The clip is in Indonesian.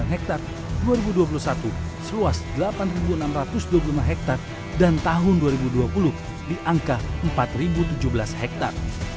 delapan hektare dua ribu dua puluh satu seluas delapan enam ratus dua puluh lima hektare dan tahun dua ribu dua puluh di angka empat tujuh belas hektare